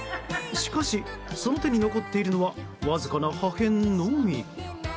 しかし、その手に残っているのはわずかな破片のみ。